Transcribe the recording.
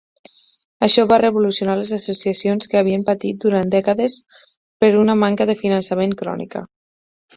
Això va revolucionar les associacions que havien patit durant dècades per una manca de finançament crònica.